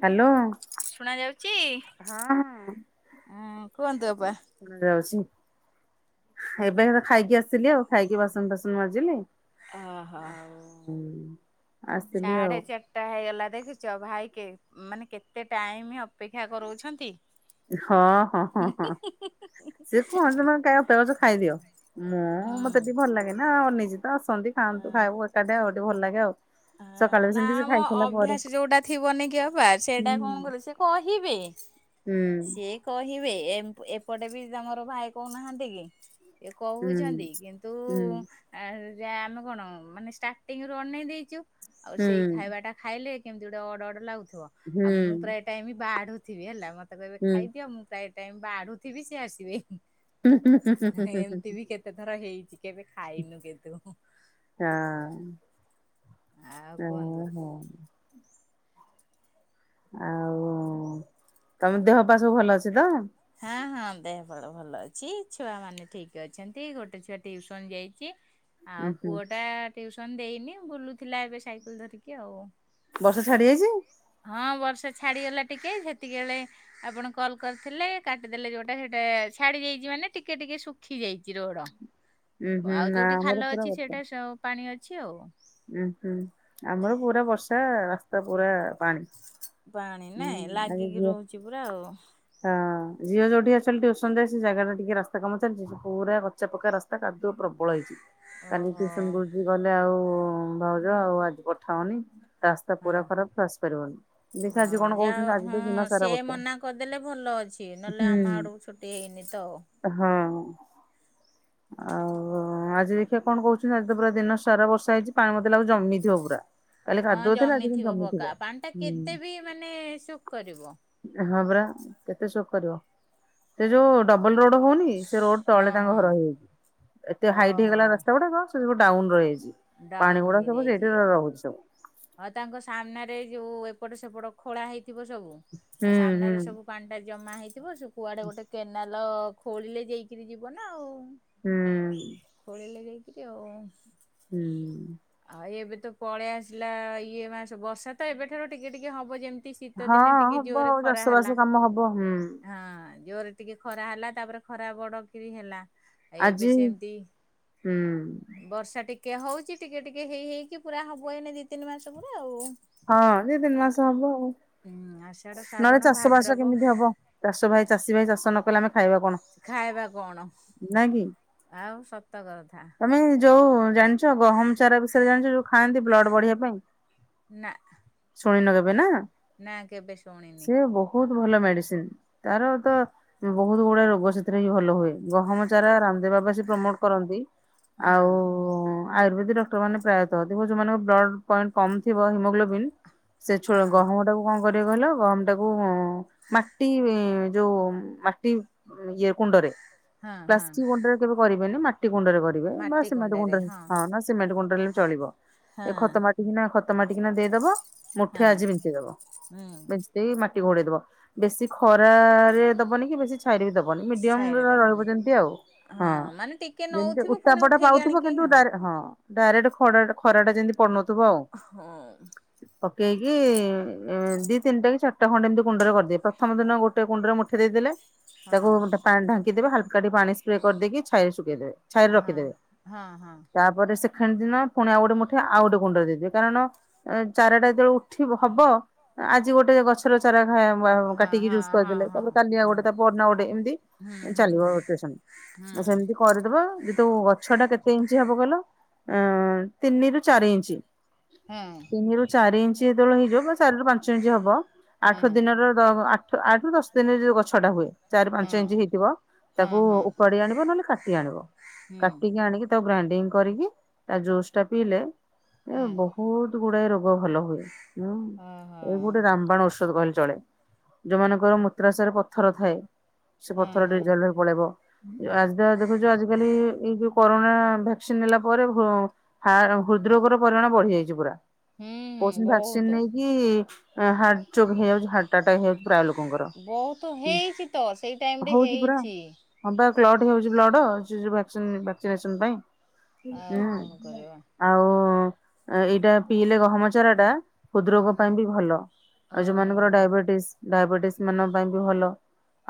Hello ଶୁଣା ଯାଉଚି ହଁ ଉଁ କୁହନ୍ତୁ ଅପା। ଯାଉଚି ଆଉ ଏବେ ତ ଖାଇକି ଆସିଲି ଆଉ ଖାଇକି ବାସନ ଫାସନ ମାଜିଲି। ଆଉ ଆସିଲି ଆଉ ସାଢ଼େ ଚାର ଟା ହେଇଗଲା ଦେଖୁଛ ଭାଇ କେ ମାନେ କେତେ ଟାଇମ ଅପେକ୍ଷା କରଉଛନ୍ତି। ହଁ ହଁ ହଁ ହଁ। ସେ କୁହନ୍ତି ମେ କ ଅପେକ୍ଷା କରିଚ ଖାଇଦିଅ ମୁଁ ମତେ ହୁଁ। ଟିକେ ଭଲ ଲାଗେ ନା ଆଉ ନିଜ ଆସନ୍ତି ଅ ଖାଆନ୍ତୁ ଖାଇବୁ ଏକାଠି ଆଉ ଟିକେ ଭଲ ଲାଗେ ଆଉ। ସକାଳେ ଅଁ ବି ନା ସେମିତି ସେ ଆମ ଖାଇ ସାରିଲା ପରେ ଅଭ୍ୟାସ ଯୋଉଟା ଥିବନି କି ଅପା ହୁଁ ସେଇଟା କଣ କଲେ ସେ କହିବେ ହୁଁ। ଇଏ କହିବେ ଏମ ଏପଟେ ବି ତମର ଭାଇ କହୁନାହାନ୍ତି କି। ଏ ହୁଁ କହୁଛନ୍ତି କିନ୍ତୁ ହୁଁ ଆ ଯା ଆମେ କଣ ମାନେ ଷ୍ଟାର୍ଟିଙ୍ଗ ରୁ ଅନେଇ ଦେଇଚୁ ଆଉ ହୁଁ ସେଇ ଖାଇବା ଟା ଖାଇଲେ କେମିତି ଗୋଟେ ଅର୍ଡ ଅର୍ଡ ଲାଗୁଥିବ ହୁଁ ଆଉ ମୁଁ ପ୍ରାୟ ଟାଇମ୍ ବାଢୁଥିବି ହେଲା ମତେ କହିବେ ହୁଁ ହୁଁ ଖାଇଦିଅ ମୁଁ ପ୍ରାୟ ଟାଇମ୍ ବାଢୁଥିବି ସିଏ ଆସିବେ ହୁଁ ହୁଁ ହୁଁ ହୁଁ ଏମିତି ବି କେତେ ଥର ହେଇଚି। କେବେ ଖାଇନୁ କିନ୍ତୁ? ହଁ ଆଉ କୁହନ୍ତୁ ଉଁ ହୁଁ। ଆଉ ତମ ଦେହ ପା ସବୁ ଭଲ ଅଛି ତ। ହଁ ହଁ ଦେହ ପା ଭଲ ଅଛି ଛୁଆ ମାନେ ଠିକ ଅଛନ୍ତି ଗୋଟେ ଛୁଆ ଟିଉସନ ଯାଇଚି। ଉୁଁ ଆଉ ହୁଁ ପୁଅ ଟା ଟିଉସନ ଦେଇନି ବୁଲୁଥିଲା ଏବେ ସାଇକେଲ ଧରିକି ଆଉ। ବର୍ଷା ଛାଡିଯାଇଚି। ହଁ ବର୍ଷା ଛାଡିଗଲା ଟିକେ ସେତିକି ବେଳେ ଆପଣ କଲ୍ କରିଥିଲେ କାଟିଦେଲେ ଯୋଉଟା ସେଟା ଛାଡି ଯାଇଛି ମାନେ ଟିକେ ଟିକେ ଶୁ ସୁଖି ଯାଇଛି ରୋଡ ଉୁଁ ହୁଁ ଆଉ ନା ଯୋଉଠି ଆମର ଖାଲ ପୁରା ଅଛି ବର୍ଷା ସେଇଟା ପାଣି ଅଛି ଆଉ। ଉୁଁ ହୁଁ ଆମର ପୁରା ବର୍ଷା ରାସ୍ତା ପୁରା ପାଣି।। ପାଣି ହୁଁ ନାଇଁ ଆଜି ଲାଗିକି ଝିଅ ରହୁଛି ପୁରା ଆଉ। ହଁ ଝିଅ ଯୋଉଠି ଅଛନ୍ତି ଟ୍ଯୁସନ୍ ସେ ଜାଗା ଟା ଟିକେ ରାସ୍ କାମ ଚାଲିଛି ପୁରା କଚା ପକା ରାସ୍ତା କାଦୁଅ ପ୍ରବଳ ହେଇଛି କାଲି ଓହୋ ଟ୍ୟୁସନ ଗଲେ ଆଉ ଭାଉଜ ଆଉ ଆଜି ପଠାଅନି ରାସ୍ତା ହଁ। ପୁରା ଖରାପ ସେ ଆସି ପାରିବନି। ହଁ ଯାହା ହଁ ସେ ବର୍ଷା ମନା କରିଦେଲେ ଭଲ ଅଛି ନହେଲେ ଆମ ହୁଁ ଆଡକୁ ଛୁ ଦେଇନିତ। ହଁ। ଆଉ ଆଜି ଦେଖିବା କଣ କହୁଛନ୍ତି ଆଜି ତ ପୁରା ଦିନ ସାରା ବର୍ଷା ହେଇଛି ପାଣି ମତେ ଲାଗୁଚି ଜମିଥିବ ପୁରା। କାଲି ହଁ କାଦୁଅଥିଲା ଆଜି ଜହ୍ନି କିନ୍ତୁ ଥିବ ଜମିଥିବ। ପକା ପାଣି ଟା ହୁଁ କେତେ ବି ମାନେ ସୁଖ କରିବ। ହଁ ପରା କେତେ ସୋକ କରିବ ସେ ଯୋଉ। ଡବଲ ରୋଡ ହଉନି ସେ ରୋଡ ହଁ ତଳେ ହଁ। ତାଙ୍କ ଘର ହେଇଯାଉଛି। ଏତେ ହାଇଟ୍ ଓହୋ ହେଇଗଲା ରାସ୍ତା ଗୁଡାକ ସେ ସବୁ ଡାଉନ୍ ରହିଯାଇଛି ପାଣି ଗୁଡା ସବୁ ସେଇଠି ରହୁଛି ସବୁ। ହଁ ତାଙ୍କ ସାମ୍ନାରେ ଯୋଉ ଏପଟ ସେପଟ ଖୋଳା ହେଇଥିବ ସବୁ ଆ ହୁଁ ହୁଁ ସାମ୍ନାରେ ସବୁ ପାଣି ଟା ଜମା ହେଇଥିବ ସେ କୁଆଡେ ଗୋଟେ କେନାଲ ଖୋଳିଲେ ଯାଇକିରି ଯିବ ନା ଆଉ। ହୁଁ। ଖୋଳିଲେ ଯାଇ କିରି ଆଉ। ହୁଁ। ଆଉ ଏବେ ତ ପଳେଇ ଆସିଲା ଇଏ ମାସ ବର୍ଷା ତ ଏବେଠାରୁ ଟିକେ ଟିକେ ହବ ଯେମତି ମିତି ଶୀତ ହଁ ଦିନେ ଟିକେ ହବ ଜୋରେ ଆଉ ଚାଷ ଖରା ବାସ ହେଲା କାମ ହବ ହୁଁ। ହଁ ଜୋରେ ଟିକେ ଖରା ହେଲା ତାପରେ ଖରା ବଡ କିରି ହେଲା। ଏବେ ଆଜି ସେମିତି ହୁଁ ବର୍ଷା ଟିକ ଟିକେ ହଉଛି ଟିକେ ଟିକେ ହେଇ ହେଇକି ପୁରା ହବ ଏଇନେ ଦି ତିନି ମାସ ପୁରା ଆଉ। ହଁ ଦି ତିନି ମାସ ହବ ଆଉ। ହୁଁ ଆଶାଢ଼ ନହେଲେ ଶ୍ରାବଣ ଚାଷ ବାସ ଭାଦ୍ରବ। କେମିତି ହବ ଚାଷ ଭାଇ ଚାଷୀ ଭାଇ ଚାଷ ନ କଲେ ଆମେ ଖାଇବା କଣ ଖାଇବା କଣ ନାଇଁ କି? ଆଉ ସତ କଥା। ତମେ ଯୋଉ ଜାଣିଛ ଗହମ ଚାରା ବିଷୟରେ ଜାଣିଛ ଯୋଉ ଖାଆନ୍ତି ବ୍ଲଡ଼ ବଢିବା ପାଇଁ। ନା। ଶୁଣି ନ କେବେ ନା। ନା କେବେ ଶ ସେ ବହୁତ ଭଲ ମେଡିସିନ ତାର ତ ବହୁତ ଗୁଡା ରୋଗ ସେଥିରେ ହିଁ ଭଲ ହୁଏ ଗହମ ଚାରା ରାମଦେବବାବା ପ୍ରମୋଟ କରନ୍ତି। ହଁ। ଆଉ। ଆୟୁର୍ବେଦିକ ଡକ୍ଟର ମାନ ପ୍ରାୟଃ ଥିବ ଯୋଉମାନଙ୍କ ବ୍ଲଡ ପଏଣ୍ଟ କମଥିବ ହିମୋଗ୍ଲୋବନ୍। ସେ ଛୋ ହଁ ଗହମ ଟାକୁ। କରିବ କହିଲ ଗହମ ଟାକୁ ମାଟି ଯୋଉ ମାଟି ଇଏ କୁଣ୍ଡରେ ହଁ ହଁ ପ୍ଲାଷ୍ଟିକ କୁଣ୍ଡରେ କେବେ କରିବେନି ମାଟି କୁଣ୍ଡରେ କରିବ। ବା ମାଟି ସିମେଣ୍ଟ କୁଣ୍ଡରେ ହଁ ସିମେଣ୍ଟ କୁଣ୍ଡ ବି ଚଳିବ ଏ ହଁ ଖତ ମାଟି କିନା ଖତ ମାଟି କିନା ଦେଇଦବ ମୁଠେ ହଁ। ଆଜି ବିଞ୍ଚେଇ ଦବ। ହୁଁ। ବିଞ୍ଚିଦେଇ ମାଟି ଘୋଡେଇ ଦବ। ବେଶୀ ଖରାରେ ଦବନି କି ବେଶୀ ଛାଇରେ ବି ଦବନି ମିଡିୟମ ଛାଇରେ ଦେବନି ରହିବ ଯେମିତି ଆଉ। ହଁ ମାନେ ଟିକେ ଯେମିତି ନଉଥିବୁ ପୁଣି ଉତ୍ତାପଟା ଉଠେଇକି ପାଉଥିବ ଆଣିକି କିନ୍ତୁ ହଁ। ଡାଇ ଡାଇରେକ୍ଟ ଖରା ଖରା ଟା ଯେମିତି ପଡୁନଥିବ ଆଉ। ହଁ। ପକେଇକି ଏ ଦି ତିନିଟା କି ଚାରିଟା ଖଣ୍ଡ ଏମିତି କୁଣ୍ଡରେ କରିଦିଏ ପ୍ରଥମ ଦିନ ଗୋଟେ କୁଣ୍ଡରେ ମୁଠେ ଦେଇଦେଲେ ହଁ ତାକୁ ପାଣି ଢାଙ୍କି ଦେବେ ହାଲକାଟି ପାଣି ସ୍ପ୍ରେ କରିଦକି ଛାଇରେ ଶୁଖେଇ ଦେବେ। ଛାଇରେ ହଁ ରଖିଦେବେ ହଁ ହଁ ତାପରେ ସେ ହେଦିନ ଦିନ ପୁଣି ଆଉ ଗୋଟେ ମୁଠେ ଆଉ ଗୋଟେ ଗୁଣ୍ଡ ଦେଇଦବି କାରଣ ଚାରାଟା ଯେତେବେଳେ ଉଠି ହବ। ଆଜି ଗୋଟେ ଗଛର ଚାରା ହଁ କାଟିକି ହଁ ଜୁସ ହଁ କରିଦେଲେ ହଁ ତାପରେ କାଲିଆ ହଁ। ଗୋଟେ ତା ପରଦିନ ଗୋଟେ ଏମିତି ହୁଁ ଏନ୍ତି ହୁଁ ଚାଲିବ ରୋଟେସନ। ହୁଁ। ସେମିତି କରିଦବା। ଯେ ତୁ ଗଛ ଟା କେତେ ଇଞ୍ଚ ହବ କହିଲ ତିନି ରୁ ଚାରି ଇଞ୍ଚ? ହୁଁ ତିନିରୁ ଚାରି ଇଞ୍ଚ ଯେତେବେଳେ ହେଇଯିବ ବା ଚାରି ରୁ ପାଞ୍ଚ ଇଞ୍ଚ ହବ ଆଠ ହୁଁ ଦିନ ରୋ ଦ ଆଠ- ଆଠ ରୁ ଦଶ ଦିନରେ ଯୋଉ ଗଛଟା ହୁଏ। ଚାରି ହୁଁ ପାଞ୍ଚ ଇଞ୍ଚ ହେଇଥିବ। ହଁ ତାକୁ ହଁ ଉପାଡ଼ି ଆଣିବ ନହେଲେ କାଟି ଆଣିବ। ହୁଁ କାଟିକି ଆଣିକି ତାକୁ ଗ୍ରାଇଣ୍ଡିଙ୍ଗ କରିକି ତା ଜୁସ୍ ଟା ପିଇଲେ ଏ ହୁଁ ବୋ ବହୁତ ଗୁଡ଼ାଏ ରୋଗ ଭଲ ହୁଏ ହୁଁ। ଓହୋ ଏଇ ଗୋଟେ ରାମବାଣ ଔଷଧ କହିଲେ ଚଳେ। ଯୋଉମାନଙ୍କର ମୂତ୍ରାସ ରେ ପଥର ଥାଏ ସେ ହଁ ପଥର ହଁ। [unintelligible] ପଳେଇବ। ଆଜି ଦ ଦେଖୁଛ ଆଜିିକାଲି ଏଇ ଯୋଉ କରୋନା ଭ୍ୟାକ୍ସିନ୍ ନେଲା ପର ଭ ହା ହୃଦ୍ ରୋଗ ର ପରିମାଣ ବଢ଼ି ଯାଇଛି। ପୁରା ହୁଁ କୋହୁଛନ୍ତି ଭକ୍ସିନ ନେଇକି ହାର୍ଟ ଚୋକ୍ ହେଇଯାଉଛି ହାର୍ଟ ଆଟାକ୍ ହେଇଯାଉଛି ପ୍ରାୟ ଲୋକଙ୍କର। ବହୁତୁ ହେଇଛି ତ ସେଇ ଟାଇମ୍ ରେ ହଉଛି ପୁରା ହେଇଛି। [unintelligible] ଆଉ ଏଇଟା ଆଉ କଣ କରିବା ପିଇଲେ ଗହମ ଚାରାଟା ହୁଁ ହୃଦରୋଗ ପାଇଁ ବି ଭଲ। ଆଉ ଓହୋ ଯୋଉମାନଙ୍କର ଡାଇବେଟିଶ୍ ଡାଇବେଟିଶ୍ ମାନଙ୍କ ପାଇଁ ବି ଭଲ।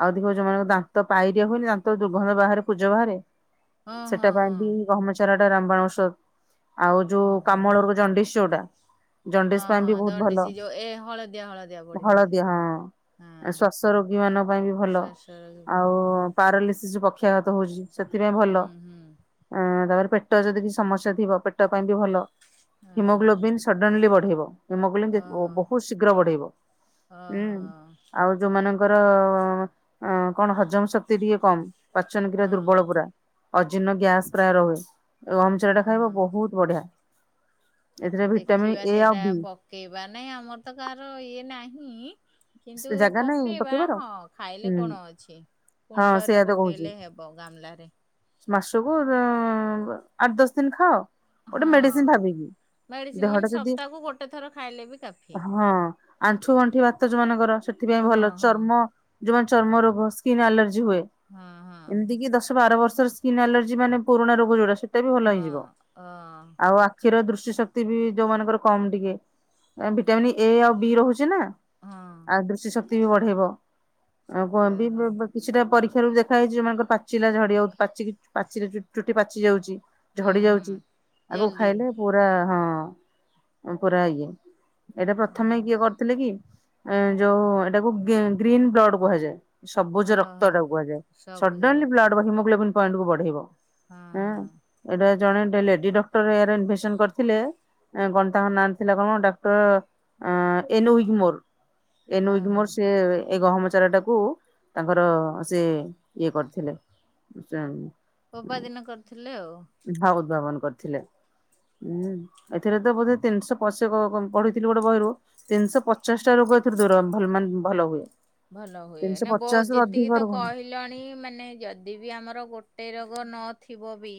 ଆଉଦେଖିବ ଯୋଉମାନଙ୍କ ଦାନ୍ତ ପାଇରିଆ ହୁଏନି ଦାନ୍ତ ଦୁର୍ଗନ୍ଧ ବାହାରେ ପୂଜ ବାହାରେ ହଁ ହଁ ସେଟା ପାଇଁ ହଁ ବି ଗହମ ଚରାଟା ରାମବାଣ ଔଷଧ। ଆଉ ଯୋଉ ଓହୋ। କାମଳରୁ ଜଣ୍ଡିଶ୍ ଜୋଉଟା ହଁ- ହଁ ଦଣ୍ଡିଶି ଯୋଉ ଏ ହଳଦିଆ ହଳଦିଆ ପଡ ହଳଦିଆ ହଁ, ଶ୍ଵାସ ରୋଗୀ ମାନଙ୍କ ପାଇଁ ବି ଭଲ। ଶ୍ଵାସର ବି ଆଉ ପାଣି ପାଣି ପାରାଲିସିସ୍ ପକ୍ଷାଘାତ ହଉଛି ସେଥିପାଇଁ ଭଲ। ହୁଁ ହୁଁ ଅ ତାପରେ ପେଟ ଯଦି କିଛି ସମସ୍ୟା ଥିବ ପେଟ ପାଇଁ ବି ଭଲ। ହଁ। ହିମୋଗ୍ଲୋବିନ୍ ସ ସଡନ୍ଲି ବଢେଇବ ହେମୋଗ୍ଲିନ ଯେ ଓ ଓହୋ ବହୁତ୍ ଶୀଘ୍ର ବଢ଼େଇବ। ଓହୋ ଆଉ ଯୋଉମାନଙ୍କର ଅ କଣ ହଜମ ଶକ୍ତି ଟିକେ କମ୍ ପାଚନ କିିରା ହଁ ଦୁର୍ବଳ ପୁରା ଅଜିୀର୍ଣ୍ଣ ଗ୍ୟାସ୍ ପ୍ରାୟ ରହୁ ଗହମଚରା ଟା ହଁ ଖାଇବ ହଁ। ବହୁତ୍ ବଢ଼ିଆ। ଏଥିରେ ଭିଟାମିନ୍ ଏ ଆଉ ବି। କେଇବା ନାହିଁ ଆମର ତ କାହାର ଇଏ ନାହିଁ କିନ୍ତୁ ଜାଗା ନାଇଁ ପକେଇବା ପକେଇବାର ହଁ ହୁଁ ଖାଇଲେ କଣ ଅଛି? ହଁ କୁଣ୍ଡରେ ସେଇଆ ତ କହୁଛି ପକେଇଲେ ହେବ ଗାମଲାରେ। ମାସକୁ ଦ ଆଠ ଦଶ ଦିନ ଖାଅ ଗୋଟେ ମେଡିସିନ୍ ହଁ। ଭାବିକି। ମେଡିସିନ ମାନେ ଦେହଟା ଯଦି ସପ୍ତାହକୁ ଗୋଟେ ଥର ଖାଇଲେ ବି କାଫି ହଁ ଆଣ୍ଠୁ ଗଣ୍ଠିବାତ ଯୋଉ ମନେକର ସେଥିପାଇଁ ହଁ ଭଲ ହଁ। ଚର୍ମ ଯୋଉମାନେ ଚର୍ମ ରୋଗ ସ୍କିନ୍ ଆଲର୍ଜି ହୁଏ। ହଁ ହଁ ଏମିତି କିି ଦଶ ବାର ବର୍ଷର ସ୍କିନ୍ ଆଲର୍ଜି ମାନେ ପୁରୁଣା ରୋଗ ଯୋଉଟା ସେ ସେଟା ବି ଭଲ ହେଇଯିବ ହଁ ଅ ଆଉ ଆ ଆଖିର ଦୃଷ୍ଟି ଶକ୍ତି ବି ଯୋଉମାନଙ୍କର କମ୍ ଟିକେ ଭିଟାମିନ୍ ଏ ଆଉ ବି ରହୁଛି ନା। ହଁ। ଆଉ ଦୃଷ୍ଟି ଶକ୍ତି ବି ବଢ଼େଇବ। ଯାହା କିଛିଟା ପରୀକ୍ଷା ରୁ ଦେଖା ହେଇଛି ଯଉମାନଙ୍କର ପାଚିଲା ଝଡ଼ି ଯାଉ ପାଚିକି ପାଚିଲେ ଚୁଟି ପାଚି ଯାଉଛି। ହଉ ଝଡ଼ି ହୁଁ ଯାଉଛି ହୁଁ ଆକୁ ଜଲ୍ଦି ଖାଇଲେ ପୁରା ହଁ ପୁରା ଇଏ ଏଇଟା ପ୍ରଥମେ କିଏ କରିଥିଲେ କି? ଏ ଯୋଉ ଏଟାକୁ ଗ୍ରୀନ୍ ବ୍ଲଡ଼ କୁହାଯାଏ। ସବୁଜ ରକ୍ତ ଓହୋ ଏଟାକୁ କୁହାଯାଏ ସବୁଜ ସଡନଲି ରକ୍ତ ବ୍ଲଡ଼ ହିମୋଗ୍ଲୋବିନ୍ ପଏଣ୍ଟ କୁ ବଢେଇବ। ହଁ ହଁ ଏଇଟା ଜଣେ ଲେଡି ଡକ୍ଟର ୟାର ଇନଭେନସନ କରିଥିଲେ। କଣ ତାଙ୍କ ନା ଥିଲା କଣ ଡକ୍ଟର ଏନୋଉଗ୍ମୋର। ହଁ ହଁ ଏନୋଉଇଗମୋର ସେ ଏଇ ଗହମଚାରା ଟା କୁ-ତାଙ୍କର ସେ ଇଏ କରିଥିଲେ ସେ ଉଁ ରବାର ଦିନ କରିଥିଲେ ଆଉ। ଭା-ଉଦ୍ଭାବନ କରିଥିଲେ। ଉଁ, ଏଥିରେ ତ ବୋଧେ ତିନିଶହ ପଶ୍ୟକ ପ- ପଢ଼ିଥିଲୁ ଗୋଟେ ବହିରୁ। ତିନିଶହ ପଚାଶଟା ରୋଗ ଏଥିରୁ ଦୂର ଭଲ ମାନେ ଭଲ ହୁଏ। ଭଲ ହୁଏ, ତିନିଶହ ନା ବ- ପଚାଶରୁ ଯେତିକି ଅଧିକ ତ ରୋଗ ହୁଁ କହି ଲଣି ମାନେ ଯଦି ବି ଆମର ଗୋଟେ ରୋଗ ନଥିବ ବି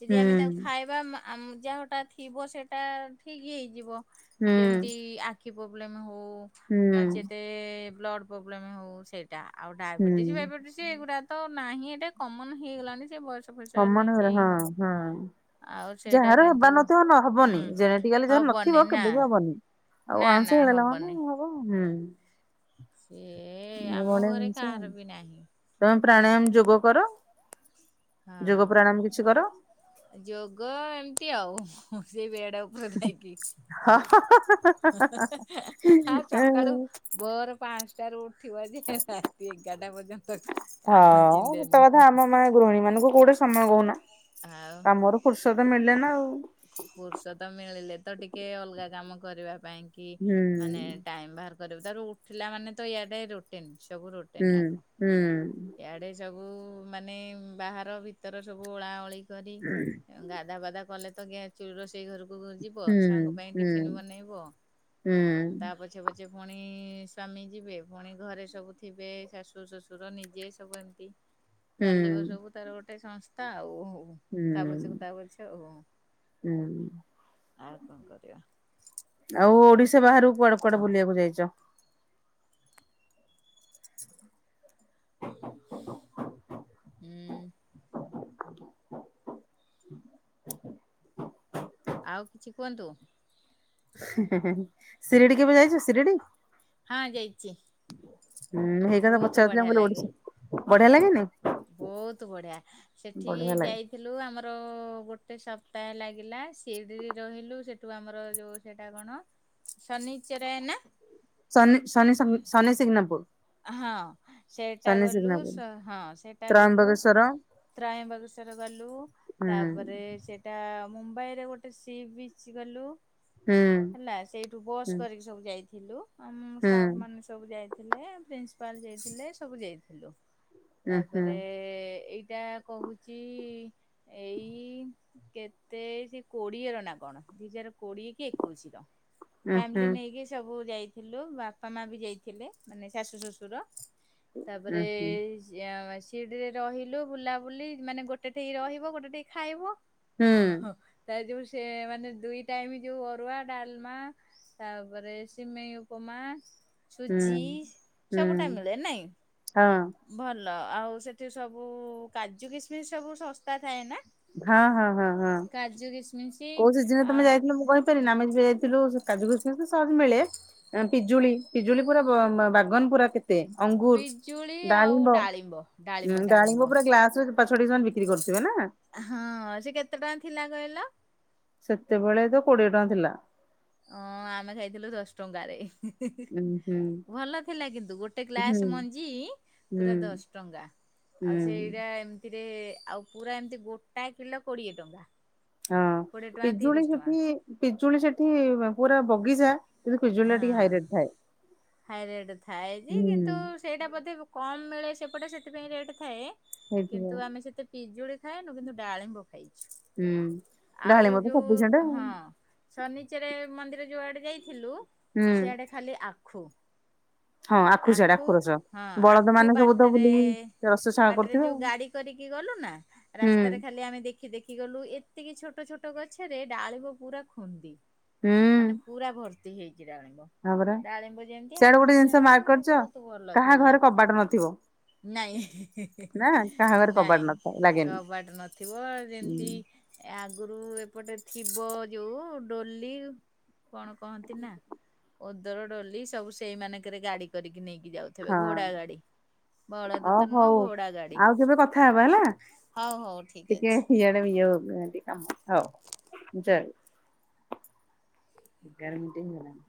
ଯଦି ହୁଁ ଆମେ ତାକୁ ଖାଇବା ମା-ଆମ୍ ଯେହୁଟା ଥିବ ସେଟା ଠିକ ହେଇଯିବ। ଯେମିତି ଆଖି ପ୍ରୋବ୍ଲେମ୍ ହଉ, ହୁଁ ନଚେତେ ବ୍ଲଡ୍ ପ୍ରୋବ୍ଲେମ୍ ହଉ ସେଇଟା ଆଉ ହୁଁ ଡାଇବେଟିସ୍ ବାଇବେଟିସ୍ ସେ ଏଗୁଡା ତ ନାହିଁ ଏଟା କମନ ହେଇଗଲାଣି ସେ ବୟସ ଫୟସ ହେଲେ କମନ ସେ ଇଏ ହବ ହେଇଗଲାଣି, ହଁ, ଆଉ ହଁ। ସେଇଟା ଯାହାର ହେବା କିନ୍ତୁ ନଥିବ ନ-ହବନି, ହୁଁ ଜେନେଟିକାଲି ଯାହାର ହବନି ନଥିବ ନା କେବେ ବି ହବନି। ଆଉ ନା ୱାନ୍ସ ନା ହେଇଗଲା ମାନେ ହବ। ସେ ଆମ ଘରେ କାହାର ବି ନାହିଁ। ତୋମେ ପ୍ରାଣାୟାମ ଯୋଗ କର? ଯୋଗ ପ୍ରାଣାୟାମ କିଛି କର। ହଁ ଯୋଗ ଏମତି ଆଉ ହୁଁ, ସେ ବେଡ୍ ଉ ବ୍ରେଡ୍ ଖାଇକି ଯେ ଆଉ ସକାଳୁ ବୋର ପାନ୍ସ ଟାରୁ ଉଠିବ ଯେ ରାତି ଏଗାରଟା ପର୍ଯ୍ୟନ୍ତ କାମ ହଁ ସତ କଥା ଛିଣ୍ଡୁନି। ଆମ ମା ଗୃହିଣୀ ମାନଙ୍କୁ କୋଉଠି ସମୟ କହୁନ? ଆଉ କାମରୁ ଫୁର୍ସତ ମିଳିନେ ନା ଆଉ। ଫୁର୍ସତ ମିଳିଲେ ତ ଟିକେ ଅଲଗା କାମ କରିବା ପାଇଁ। କି ହୁଁ ମାନେ ଟାଇମ୍ ବାହାର କରିବୁ, ତାପରେ ଉଠିଲା ମାନେ ତ ଇଆଡେ ରୁଟିନ୍ ସବୁ ରୁ ହୁଁ, ହୁଁ। ଇଆଡ଼େ ସବୁ ମାନେ ବାହାର ଭିତର ସବୁ ଓଳାଓଳି କରି ହୁଁ ଏଅଁ, ଗାଧା ପାଧା କଲେ ତ ଗ୍ୟା ଚୁଲି ରୋଷ ଷେଇ ଘରକୁ ଘ- ଯିବ, ଛୁଆଙ୍କ ପାଇଁ ହୁଁ ଟିଫିନ ବନେଇବ, ହୁଁ ତା ପଛେ ପ ଚେ ପୁଣି ସ୍ଵାମୀ ଯିବେ, ପୁଣି ଘରେ ସବୁ ଥିବେ ଶାଶୁ ଶ୍ୱଶୁର ନି ଜେ ସବୁ ଏମତି ହୁଁ ଚାଲିବ ହୁଁ। ସବୁ ତାର ଗୋଟେ ସଂସ୍ଥା ଆଉ ହଉ। ତା ପଛକୁ ହୁଁ ତା ପଛ ଆଉ, ଆଉ କଣ କରିବା? ଆଉ ଓଡିଶା ବାହାରକୁ କୁଆଡେ କୁଆଡେ ବୁଲିବାକୁ ଯାଇଚ? ହୁଁ, ଆଉ କିଛି କୁହନ୍ତୁ। ଶିରିଡି କେବେ ଯାଇଚ ଶିରିଡି? ହଁ ଯାଇଛି ହୁଁ ହେଇ କଥା ବହୁତ ପଚାରୁଚି, ଆ, ବଢିଆ ମୁଁ କହିଲି ଲାଗେ ଓଡିଶା ବଢିଆ ଲାଗେନି? ବହୁତ ବଢିଆ ସେଠିକି ବଢିଆ ଲାଗେ। ଯାଇ ଥିଲୁ, ଆମର ଗୋଟେ ସପ୍ତାହେ ଲାଗିଲା, ସିଡିରି ରହିଲୁ, ସେଠୁ ଆମର ଯୋଉ ସେଟା କଣ ଶନିଚରାୟ ନା? ଶନି ଶନି ଶନି ଶନିସିଗ୍ନାପୁର। ଅ, ହଁ ସେଟା ଗଲୁ ସ-ହଁ ସେଟା ଗଲୁ। ତ୍ରୟମ୍ବକେଶ୍ଵର ତ୍ରୟବଗେଶର ଗଲୁ, ତାପରେ ସେ ଟା ମୁମ୍ବାଇରେ ଗୋଟେ ସି ବିଚ୍ ଗଲୁ, ହେଲା ସେଇଠୁ ବସ୍ କରି। ସବୁ ଯାଇଥିଲୁ, ଆମ ଷ୍ଟାଫ୍ ମାନେ ସବୁ ଯାଇଥିଲେ। ପ୍ରିନ୍ସିପାଲ ଯାଇଥିଲେ ସବୁ ଯାଇଥିଲୁ ତାପରେ ଏଇଟା କହୁଚି ଏଇ କେତେ ସେ କୋଡିଏର ନା କଣ ଦିଇ ହଜାର କୋଡିଏ କି ଏକୋଇଶି ର। ଫ୍ୟାମିଲି ନେଇକି ସବୁ ଯାଇଥିଲୁ ବାପା ମା ବି ଯାଇଥିଲେ ମାନେ ଶାଶୁ ଶଶୁର। ତାପରେ ସିରିଡିରେ ରହିଲୁ ବୁଲାବୁଲି ମାନେ ଗୋଟେ ଠିକ ରହିବ ଗୋଟେ ଠିକ ଖାଇବ। ଓ ହୋ ତା ଯୋଉ ସେ ମାନେ ଦୁଇ ଟାଇମ ଯୋଉ ଅରୁଆ ଡାଲମା ତାପରେ ସିମେଇଉପମା ସୁଜି ସବୁଟା ମିଳେ ନାଇଁ। ହଁ ଭଲ ଆଉ ସେଠି ସବୁ କାଜୁ କିସମିସ୍ ସବୁ ଶସ୍ତା ଥାଏ ନା। ହଁ ହଁ ହଁ ହଁ। କାଜୁ କିଶମିଶ୍ କୋଉ ସିଯିନିରେ ତମେ ଯାଇଥିଲ ମୁଁ କହିପାରିନି ଆମେ ବି ଯାଇଥିଲୁ କାଜୁୁ କିସ୍ ମିସ୍ ସହଜ ମିଳେ ପିଜୁଳି ପିଜୁଳି ପୁରା ବାଗନ ପୁରା କେ ପିଜୁଳି ଅଙ୍ଗୁର ଆଉ ଡାଳିମ୍ବ ଉ ଡାଳିମ୍ବ ଡାଳିମ୍ବ ପୁରା ଗ୍ଲାସ ଚୂପା ଛଡେଇ ସେମାନେ ବିକି ବିକିରି କରୁଥିବେ ନା। ହଁ ସେ କେତେ ଟଙ୍କା ଥିଲା କହିଲ? ସେତେବେଳେ ତ କୋଡିଏ ଟଙ୍କା ଥିଲା। ହଁ ଆମେ ଖାଇଥିଲୁ ଦଶ ଟଙ୍କାରେ। ଉଁ ହୁଁ ଭଲ ଥିଲା କିନ୍ତୁ ଗୋଟେ ଗ୍ଲାସ ହୁଁ ମଞ୍ଜି ହୁଁ ପୁରା ଦଶ ଟଙ୍କା। ଆଉ ହୁଁ। ସେଇଟା ଏମିତିରେ ଆଉ ପୁରା ଏମିତି ଗୋଟା କିଲୋ କୋଡିଏ ଟଙ୍କା। ହଁ କୋଡ଼ିଏ ଟଙ୍କା ପିଜୁଳି ତିରିଶ ଟଙ୍କା ସେଠି ପିଜୁଳି ସେଠି ପୁରା ବଗିଚା କିନ୍ତୁ ପିଜୁଳି ଟା ଟିକେ ହଁ ହାଇ ରେଟ୍ ଥାଏ ହାଇ ରେଟ୍ ଥାଏ ଯେ ହୁଁ କିନ୍ତୁ ସେଇଟା ବୋଧେ କମ୍ ମିଳେ ସେପଟେ ସେଥିପାଇଁ ରେଟ୍ ଥାଏ ହେଇଥିବ କିନ୍ତୁ ଆମେ ସେତେ ପିଜୁଳି ଖାଏନୁ କିନ୍ତୁ ଡାଳିମ୍ବ ଖାଇଚୁ ହୁଁ ଆଉ ଡାଳିମ୍ବ ତ ଯୋଉ ସଫିସେଣ୍ଟ ଆଉ। ହଁ। ସନିଚରାୟ ମନ୍ଦିର ଯୋଉ ଆଡେ ଯାଇଥିଲୁ ହୁଁ ସେଆଡେ ଖାଲି ଆଖୁ। ହଁ ସିଆଡେ ଆଖୁ ରସ ହଁ ବଳଦ ଆଖୁ ମାନେ ସବୁ ତ ବାଟରେ ବୁଲିକି ରସ ଛାଳ ବାଟରେ କରୁଥିବେ ଆଉ। ଯୋଉ ଗାଡି କରିକି ଗଲୁ ନା ହୁଁ ରାସ୍ତାରେ ଖାଲି ଆମେ ଦେଖ ଦେଖି ଦେଖି ଗଲୁ ଏତିକି ଛୋଟ ଛୋଟ ଗଛରେ ଡାଳିିବ ପୁରା ଖୁନ୍ଦି ମାନେ ହୁଁ ପୁରା ଭର୍ତି ହେଇଚି ଡାଳିମ୍ବ ହଁ ପରା ଡାଳିମ୍ବ ଯେମିତି ସିଆଡେ ଗୋଟେ ଆଖୁ ଜିନିଷ ସେମ ମାର୍କ ତି କରିଛ ବହୁତ ଭଲ କାହା ଥିଲା ଘରେ କବାଟ ନଥିବ ନାଇଁ। ନା କାହା ଘରେ ନାଇଁ କବାଟ ନଥାଏ ଲାଗେନି କବାଟ ନଥିବ ଯେନ୍ତୀ ହୁଁ ଏ ଆଗରୁ ଏପଟେ ଥିବ ଯୋଉ ଡୋଲି କଣ କହନ୍ତି ନା ଓଦର ଡଲି ସବୁ ସେଇ ମାନଙ୍କରେ ଗାଡି କରିକି ନେଇକି ଯାଉ ଥିବ ଘୋଡା ଗାଡି। ଓ ବଳଦ ତ ନୁହଁ ହୋଉ ଘୋଡା ଗାଡି ଆଉ କେବେ କଥା ହବ ହେଲା। ହଉ ହଉ ଠିକ ଟିକେ ଅଛି। ଇଆଡେ ଇଏ ହଉଚନ୍ତି। ତାଙ୍ଗ ଥଉ ଜଉ ଏଗାର ମିନିଟ ହେଇଗଲାଣି।